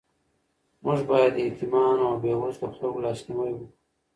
موږ باید د یتیمانو او بېوزلو خلکو لاسنیوی وکړو.